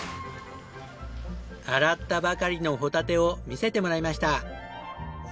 洗ったばかりのホタテを見せてもらいました。